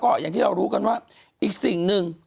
คุณหนุ่มกัญชัยได้เล่าใหญ่ใจความไปสักส่วนใหญ่แล้ว